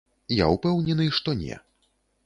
Я ўпэўнены, што не.